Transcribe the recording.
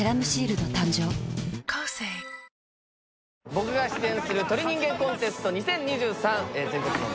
僕が出演する「鳥人間コンテスト２０２３」換颪離弌璽疋泪鵑